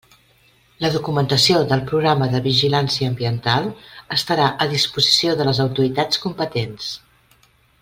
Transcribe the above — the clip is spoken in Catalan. La documentació del programa de vigilància ambiental estarà a disposició de les autoritats competents.